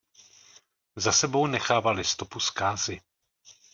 Za sebou nechávali stopu zkázy.